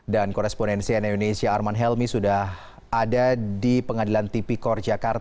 dan korespondensi nu indonesia arman helmi sudah ada di pengadilan tipikor